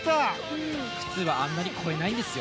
普通はあんなに超えないんですよ。